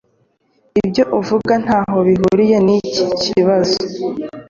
Ibyo avuga ntaho bihuriye niki kibazo.